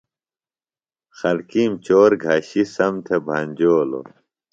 خلکِیم چور گھشیۡ سم تھےۡ بھنجولوۡ۔